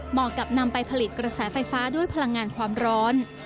กับนำไปผลิตกระแสไฟฟ้าด้วยพลังงานความร้อน